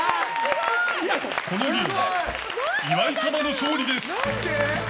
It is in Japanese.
このゲーム、岩井様の勝利です。